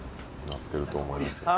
鳴ってると思いますよ